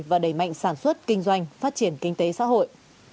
và đẩy mạnh sản xuất kinh doanh phát triển kinh tế xã hội